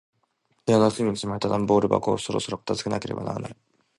部屋の隅に積まれた段ボール箱を、そろそろ片付けなければならない。